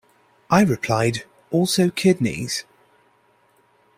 I replied: 'also kidneys'.